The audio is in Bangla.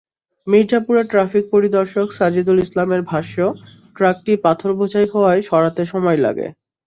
মির্জাপুরের ট্রাফিক পরিদর্শক সাজিদুল ইসলামের ভাষ্য, ট্রাকটি পাথর বোঝাই হওয়ায় সরাতে সময় লাগে।